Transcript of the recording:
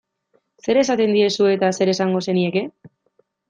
Zer esaten diezu eta zer esango zenieke?